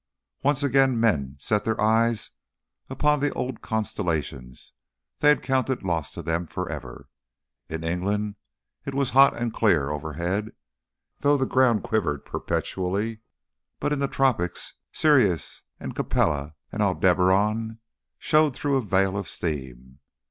Once again men set their eyes upon the old constellations they had counted lost to them forever. In England it was hot and clear overhead, though the ground quivered perpetually, but in the tropics, Sirius and Capella and Aldebaran showed through a veil of steam.